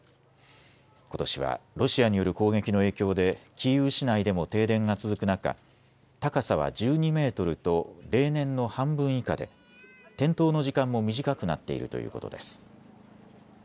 ことしはロシアによる攻撃の影響でキーウ市内でも停電が続く中、高さは１２メートルと例年の半分以下で点灯の時間も短くなっているということです。